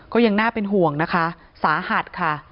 ก็ยังน่าเป็นห่วงนะคะสาหัสค่ะ